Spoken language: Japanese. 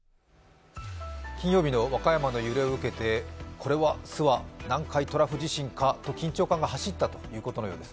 金曜日の和歌山の揺れを受けてこれはすわ、南海トラフ地震かと緊張感が走ったということのようです。